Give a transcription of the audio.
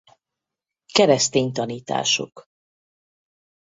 Keresztény tanítások.